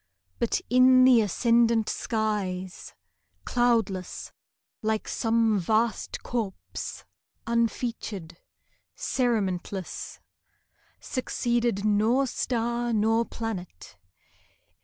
But in the ascendant skies (Cloudless, like some vast corpse Unfeatured, cerementless) Succeeded nor star nor planet.